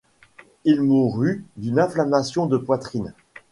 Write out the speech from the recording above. Il mourut d'une inflammation de poitrine.